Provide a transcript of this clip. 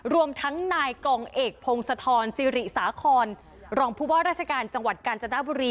รวมทั้งนายกองเอกพงศธรสิริสาคอนรองผู้ว่าราชการจังหวัดกาญจนบุรี